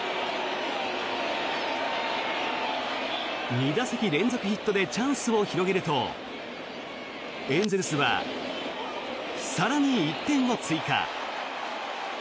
２打席連続ヒットでチャンスを広げるとエンゼルスは更に１点を追加。